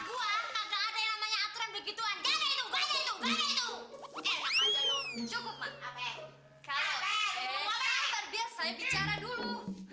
gua ada yang banyak aturan begituan gitu gitu cukup maka saya bicara dulu